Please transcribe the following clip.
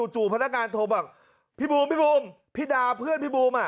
จู่พนักงานโทรบอกพี่บูมพี่บูมพี่ดาเพื่อนพี่บูมอ่ะ